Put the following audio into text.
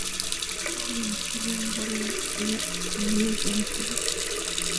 Tuvo su domicilio en el barrio de La Vega, extramuros de la ciudad.